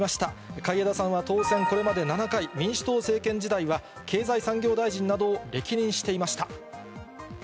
海江田さんは当選、これまで７回、民主党政権時代は経済産業大臣などを歴任していました。